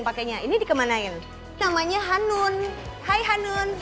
pakainya ini dikemanain namanya hanun hai hanun